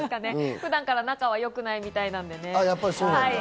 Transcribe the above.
普段から仲は良くないみたいなんでね。